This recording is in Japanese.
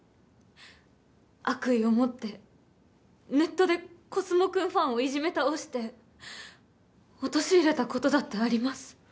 悪意を持ってネットでコスモくんファンをいじめたおして陥れたことだってあります